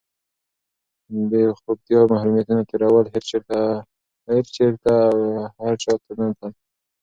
بېخوبتیا، محرومیتونه تېرول، هېر چېرته او هر چاته نه تلل،